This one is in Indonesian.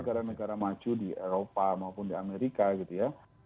negara negara maju di eropa maupun di amerika gitu ya